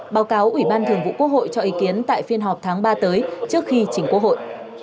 báo cáo ủy ban thường vụ quốc hội cho ý kiến tại phiên họp tháng ba tới trước khi chỉnh quốc hội